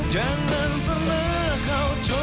jangan pernah kau coba